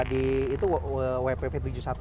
di itu wpp tujuh ratus delapan belas